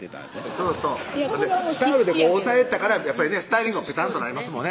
そうそうタオルで押さえてたからやっぱりねスタイリングもペタンとなりますもんね